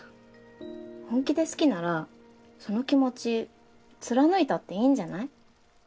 本気で好きならその気持ち貫いたっていいんじゃない？